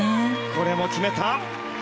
これも決めた！